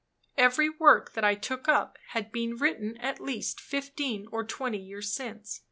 Every work that I took up had been written at least fifteen or twenty years since.